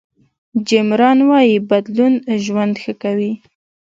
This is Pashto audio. جیم ران وایي بدلون ژوند ښه کوي.